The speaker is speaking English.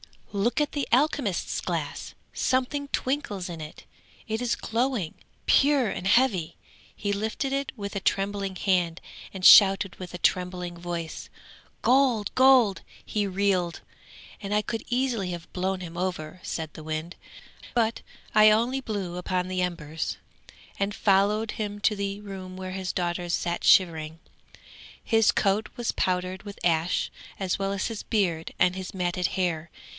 'Look at the alchemist's glass! something twinkles in it; it is glowing, pure and heavy. He lifted it with a trembling hand and shouted with a trembling voice: "Gold! gold!" He reeled, and I could easily have blown him over,' said the wind, 'but I only blew upon the embers, and followed him to the room where his daughters sat shivering. His coat was powdered with ash, as well as his beard and his matted hair.